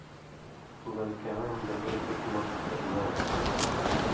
بلکے عام بنېل حُکمہ رِن٘گاں تھہۡ۔